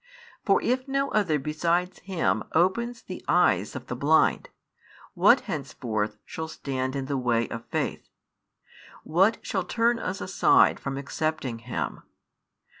For if no other besides Him opens the eyes of the blind, what henceforth shall stand in the way of faith? What shall turn us aside from accepting Him?